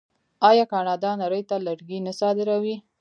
آیا کاناډا نړۍ ته لرګي نه صادروي؟